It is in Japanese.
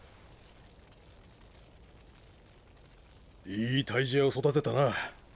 いい退治屋を育てたな琥珀。